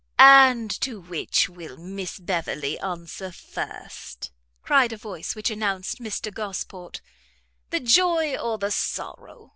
"And to which will Miss Beverley answer first," cried a voice which announced Mr Gosport, "the joy or the sorrow?